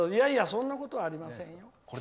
そんなことはありませんよ。